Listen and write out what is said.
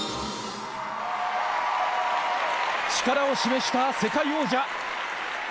力を示した世界王者。